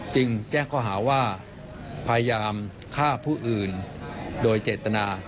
แจ้งข้อหาว่าพยายามฆ่าผู้อื่นโดยเจตนา